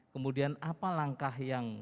kemudian apa langkah yang